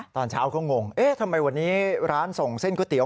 ตอนเช้าก็งงเอ๊ะทำไมวันนี้ร้านส่งเส้นก๋วเตี๋